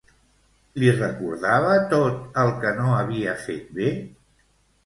Li recordava tot el que no havia fet bé?